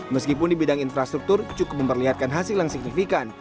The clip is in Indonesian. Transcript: meskipun di bidang infrastruktur cukup memperlihatkan hasil yang signifikan